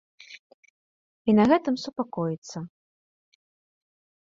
І на гэтым супакоіцца.